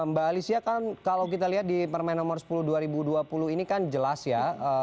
mbak alicia kan kalau kita lihat di permen nomor sepuluh dua ribu dua puluh ini kan jelas ya